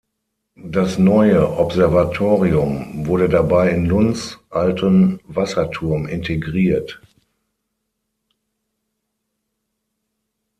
Das neue Observatorium wurde dabei in Lunds alten Wasserturm integriert.